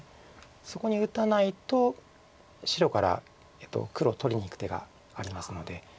そこに打たないと白から黒を取りにいく手がありますので。